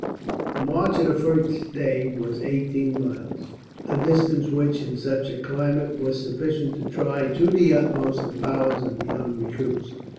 The march the first day was eighteen miles, a distance which, in such a climate, was sufficient to try to the utmost the powers of the young recruits.